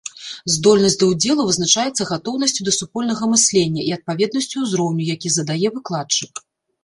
Здольнасць да ўдзелу вызначаецца гатоўнасцю да супольнага мыслення і адпаведнасцю ўзроўню, які задае выкладчык.